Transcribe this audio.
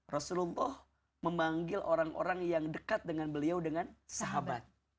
rasulullah memanggil orang orang yang dekat dengan beliau dengan sahabat